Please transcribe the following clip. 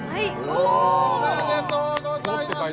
おお！おめでとうございます！